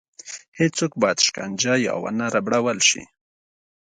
هېڅوک باید شکنجه یا ونه ربړول شي.